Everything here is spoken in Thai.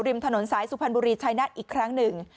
ริมถนนสายสุพรรณบุรีชายนัทอีกครั้งหนึ่ง